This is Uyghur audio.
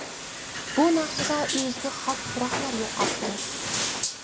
بۇ ناخشىدا ئۆزىگە خاس پۇراقلار يوقاپتۇ.